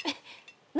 何？